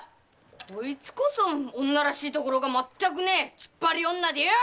こいつこそ女らしいところがまったくねえツッパリ女でよ。